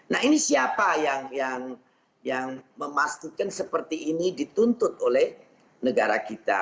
nah ini siapa yang memastikan seperti ini dituntut oleh negara kita